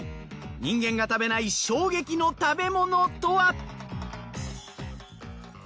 人間が食べない衝撃の食べ物とは？